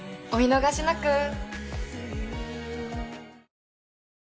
お見逃しなく。